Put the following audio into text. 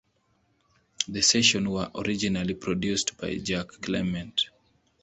The sessions were originally produced by Jack Clement.